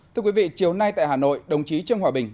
thưa quý vị chiều nay tại hà nội đồng chí trương hòa bình